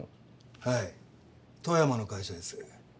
はい富山の会社です。